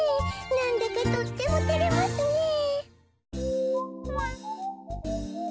なんだかとってもてれますねえ。